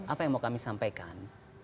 apa yang mau kami sampaikan